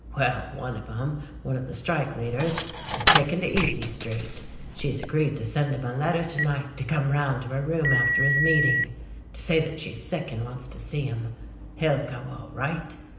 Well, one of 'em, one of the strike leaders, has taken to easy street; she's agreed to send him a letter to night to come 'round to her room after his meeting, to say that she's sick and wants to see him. He'll go, all right.